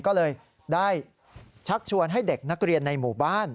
ก็เลยได้ชักชวนให้เด็กนักเรียนในหมู่บ้าน